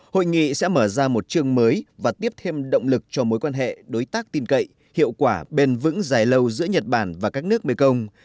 hội nghị sẽ mở ra một chương mới và tiếp thêm động lực cho mối quan hệ đối tác tin cậy hiệu quả bền vững dài lâu giữa nhật bản và các nước mekong